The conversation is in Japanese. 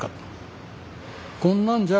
こんなんじゃ